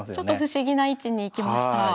ちょっと不思議な位置に行きました。